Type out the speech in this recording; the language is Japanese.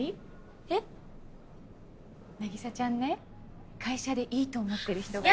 凪沙ちゃんね会社でいいと思ってる人が。